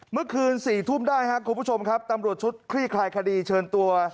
เมื่อคืน๔ทุ่มได้ครับคุณผู้ชมครับตำรวจชุดคลี่คลายคดีเชิญตัว